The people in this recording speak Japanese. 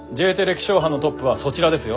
気象班のトップはそちらですよ